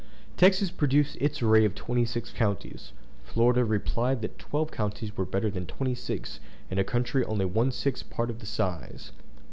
Texas produced its array of twenty six counties; Florida replied that twelve counties were better than twenty six in a country only one sixth part of the size.